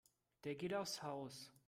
Der geht aufs Haus.